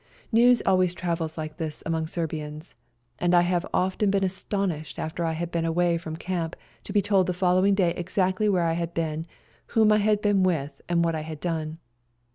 News always travels like this among Serbians, and I have often been astonished after I had been away from camp to be told the following day exactly where I had been, whom I had been with, and what I had done.